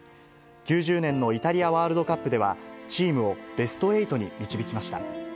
９０年のイタリアワールドカップでは、チームをベストエイトに導きました。